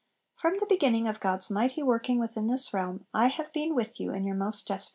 'From the beginning of God's mighty working within this realm, I have been with you in your most desperate tentations.